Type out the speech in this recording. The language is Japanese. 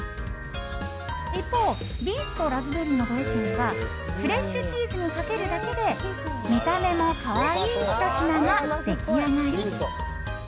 一方、ビーツとラズベリーのドレッシングはフレッシュチーズにかけるだけで見た目も可愛いひと品が出来上がり。